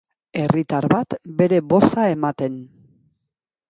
Herritar bat bere boza ematen.